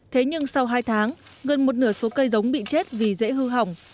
thế nhưng sau hai tháng gần một nửa số cây giống bị chết vì dễ hư hỏng